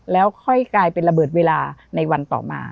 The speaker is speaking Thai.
แล้วค่อยกลายเป็นระเบิดเวลาในวันต่อมา